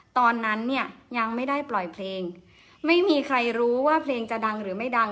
ตอนนั้นเนี่ยยังไม่ได้ปล่อยเพลงไม่มีใครรู้ว่าเพลงจะดังหรือไม่ดัง